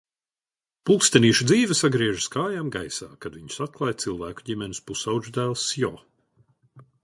Pulkstenīšu dzīve sagriežas kājām gaisā, kad viņus atklāj cilvēku ģimenes pusaudžu dēls Sjo.